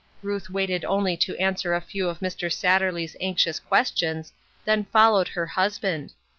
Ruth waited only to answer a few of Mr. Satterley's anxious questions, then followed her husband.